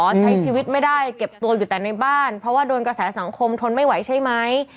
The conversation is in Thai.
ใช้ชีวิตไม่ได้เก็บตัวอยู่แต่ในบ้านเพราะว่าโดนกระแสสังคมทนไม่ไหวใช่ไหม